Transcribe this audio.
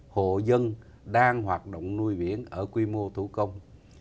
hộ dân đang hoạt động nuôi biển ở quy mô thủ công